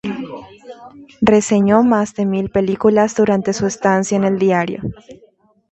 Reseñó más de mil películas durante su estancia en el diario.